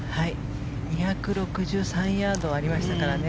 ２６３ヤードありましたからね。